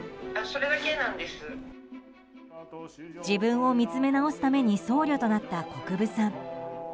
自分を見つめ直すために僧侶となった国分さん。